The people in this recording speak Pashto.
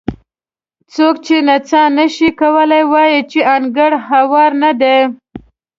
څوک چې نڅا نه شي کولی وایي چې انګړ هوار نه دی.